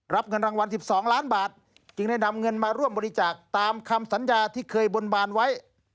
เงินรางวัล๑๒ล้านบาทจึงได้นำเงินมาร่วมบริจาคตามคำสัญญาที่เคยบนบานไว้